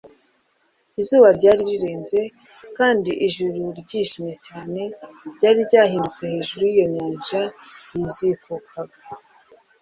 Izuba ryari ryarenze, kandi ijuru ryijimye cyane ryari ryahindutse hejuru y'iyo nyanja yizikukaga.